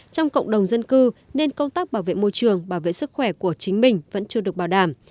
trong cộng đồng dân cư nên công tác bảo vệ môi trường bảo vệ sức khỏe của chính mình vẫn chưa được bảo đảm